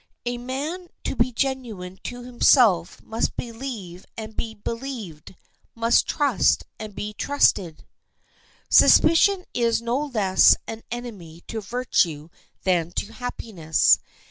A man to be genuine to himself must believe and be believed, must trust and be trusted. Suspicion is no less an enemy to virtue than to happiness.